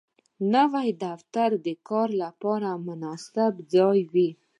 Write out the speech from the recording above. نوی دفتر د کار لپاره مناسب ځای وي